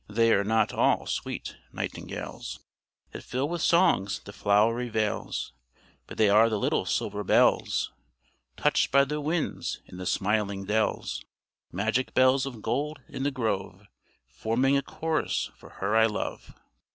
They are not all sweet nightingales, That fill with songs the flowery vales; But they are the little silver bells Touched by the winds in the smiling dells; Magic bells of gold in the grove, Forming a chorus for her I love.